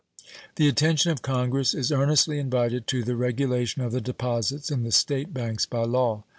The attention of Congress is earnestly invited to the regulation of the deposits in the State banks by law.